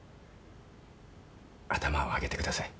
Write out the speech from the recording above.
頭を上げてください。